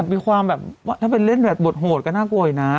มีความแบบว่าถ้าเป็นเล่นแบบโหดก็น่ากลัวนะ